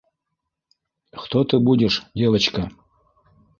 Кто ты будешь, девочка.